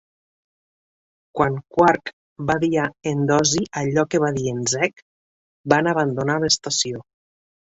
Quan Quark va dir en Dosi allò que va dir en Zek, van abandonar l"estació.